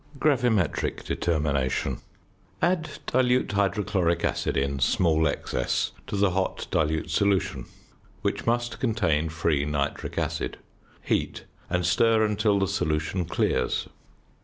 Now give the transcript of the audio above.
GRAVIMETRIC DETERMINATION. Add dilute hydrochloric acid in small excess to the hot dilute solution, which must contain free nitric acid. Heat and stir until the solution clears.